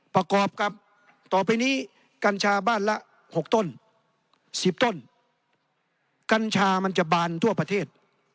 ประกอบกับต่อไปนี้กัญชาบ้านละ๖ต้น๑๐ต้นกัญชามันจะบานทั่วประเทศ